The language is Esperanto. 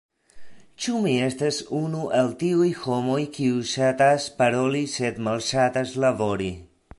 Ĉu mi estas unu el tiuj homoj kiuj ŝatas paroli sed malŝatas labori?